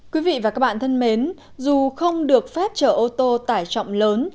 quý vị và các bạn thân mến dù không được phép chở ô tô tải trọng lớn